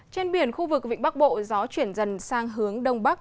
trên biển khu vực vịnh bắc bộ gió chuyển dần sang hướng đông bắc